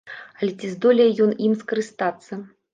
Але ці здолее ён ім скарыстацца?